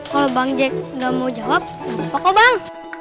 kalo bang jek gak mau jawab pokok bang